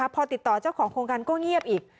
พอติดต่อเจ้าของโครงการก็เงียบอีก